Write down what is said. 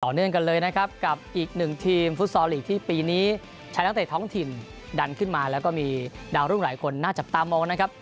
เนื่องกันเลยนะครับกับอีกหนึ่งทีมฟุตซอลลีกที่ปีนี้ใช้นักเตะท้องถิ่นดันขึ้นมาแล้วก็มีดาวรุ่งหลายคนน่าจับตามองนะครับ